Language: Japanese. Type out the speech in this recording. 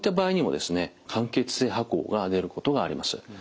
間欠性跛行が出ることがあります。